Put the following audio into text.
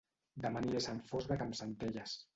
Dema aniré a Sant Fost de Campsentelles